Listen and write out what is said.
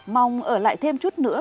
mong ở lại thêm chút nữa